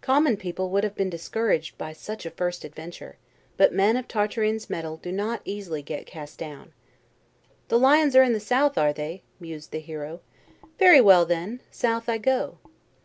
COMMON people would have been discouraged by such a first adventure, but men of Tartarin's mettle do not easily get cast down. "The lions are in the South, are they?" mused the hero. "Very well, then. South I go."